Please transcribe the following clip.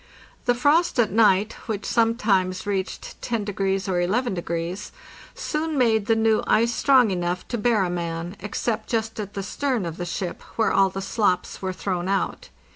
The frost at night, which sometimes reached 10° or 11°, soon made the new ice strong enough to bear a man, ex cept just at the stern of the ship, where all the slops were thrown out.